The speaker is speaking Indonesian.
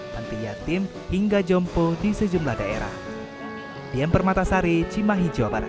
nanti yatim hingga jompo di sejumlah daerah